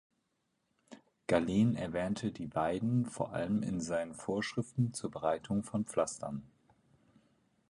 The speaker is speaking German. Galen erwähnte die Weiden vor allem in seinen Vorschriften zur Bereitung von Pflastern.